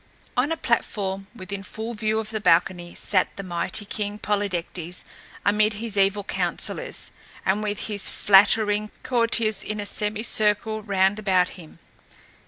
On a platform within full view of the balcony sat the mighty King Polydectes, amid his evil counselors, and with his flattering courtiers in a semi circle round about him.